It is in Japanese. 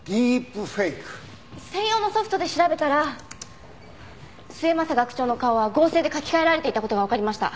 専用のソフトで調べたら末政学長の顔は合成で書き換えられていた事がわかりました。